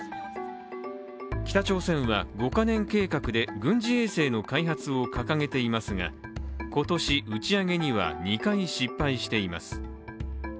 北朝鮮は５か年計画で軍事衛星の開発を掲げていますが、今年、打ち上げには２回失敗しています。